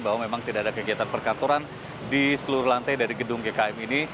bahwa memang tidak ada kegiatan perkantoran di seluruh lantai dari gedung gkm ini